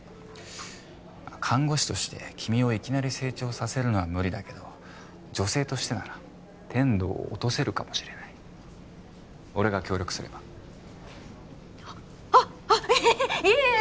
看護師として君をいきなり成長させるのは無理だけど女性としてなら天堂を落とせるかもしれない俺が協力すればあっあっいえいえいえ